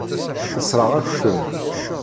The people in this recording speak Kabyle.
Tessṛeɣ-ak-tent.